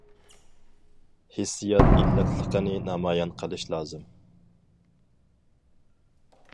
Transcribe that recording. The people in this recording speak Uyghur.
ھېسسىيات ئىللىقلىقىنى نامايان قىلىش لازىم.